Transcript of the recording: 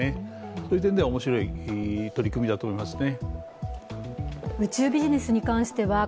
そういう点では面白い取り組みだと思いますね。